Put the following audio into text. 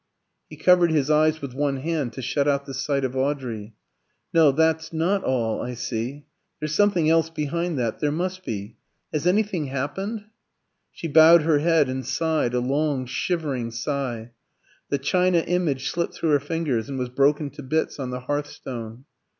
He covered his eyes with one hand to shut out the sight of Audrey. "No, that's not all, I see. There's something else behind that, there must be. Has anything happened?" She bowed her head and sighed, a long shivering sigh. The china image slipped through her fingers, and was broken to bits on the hearthstone.